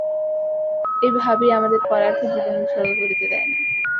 এই ভাবই আমাদের পরার্থে জীবন উৎসর্গ করিতে দেয় না।